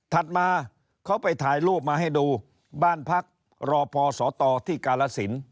มาเขาไปถ่ายรูปมาให้ดูบ้านพักรอพอสตที่กาลสิน